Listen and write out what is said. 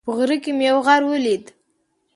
په غره کې مې یو غار ولید